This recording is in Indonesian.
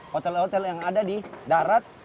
hotel hotel yang ada di darat